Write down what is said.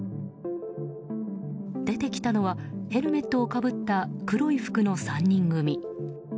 出てきたのはヘルメットをかぶった黒い服の３人組。